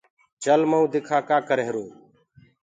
چل مئو دکآ ڪآ ڪريهروئي